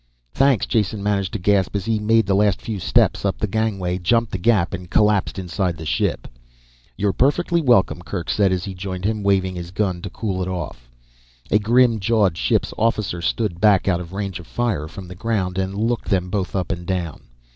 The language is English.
"Thanks " Jason managed to gasp as he made the last few steps up the gangway, jumped the gap and collapsed inside the ship. "You're perfectly welcome," Kerk said as he joined him, waving his gun to cool it off. A grim jawed ship's officer stood back out of range of fire from the ground and looked them both up and down.